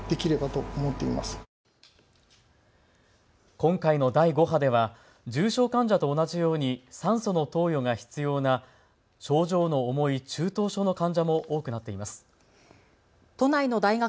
今回の第５波では重症患者と同じように酸素の投与が必要な症状の重い中等症の患者も多くなっています。